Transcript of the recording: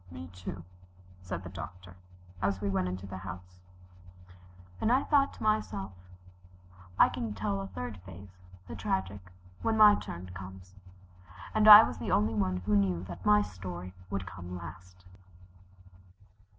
"Me, too," said the Doctor, as we went into the house. And I thought to myself, "I can tell a third phase the tragic when my turn comes," and I was the only one who knew that my story would come last.